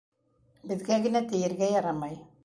Беҙгә генә тейергә ярамай.